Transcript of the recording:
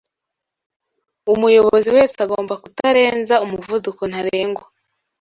Umuyobozi wese agomba kutarenza umuvuduko ntarengwa